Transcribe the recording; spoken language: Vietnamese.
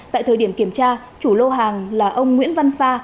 tại thời điểm kiểm tra chủ lô hàng là ông nguyễn văn pha